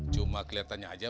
cuma keliatannya aja